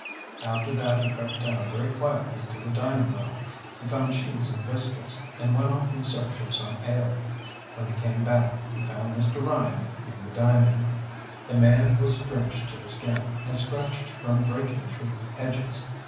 After that he crept down very quietly to the dining room. He found cheese and biscuits, and went off in search of some ale. When he came back he found Mr. Ryan in the dining room. "The man was drenched to the skin, and scratched from breaking through hedges.